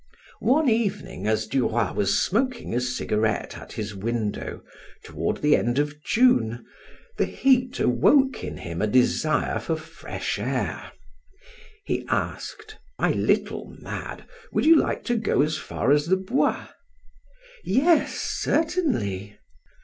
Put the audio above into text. One evening as Du Roy was smoking a cigarette at his window, toward the end of June, the heat awoke in him a desire for fresh air. He asked: "My little Made, would you like to go as far as the Bois?" "Yes, certainly."